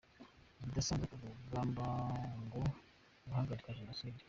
Ibidasanzwe ku rugamba no guhagarika jenoside.